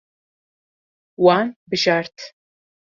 Wan bijart.